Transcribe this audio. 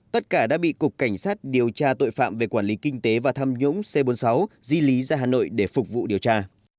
tất cả đã bị cục cảnh sát điều tra tội phạm về quản lý kinh tế và tham nhũng c bốn mươi sáu di lý ra hà nội để phục vụ điều tra